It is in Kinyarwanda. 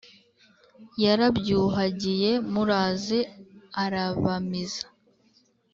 yara byuhagiye muraze arabamiza.